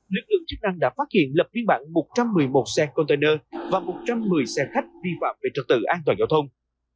lực lượng chức năng đã phát hiện lập viên bản một trăm một mươi một xe container và một trăm một mươi xe khách vi phạm về trật tự an toàn giao thông